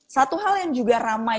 satu hal yang juga ramai